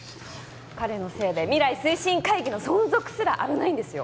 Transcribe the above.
彼のせいで未来推進会議の存続すら危ないんですよ？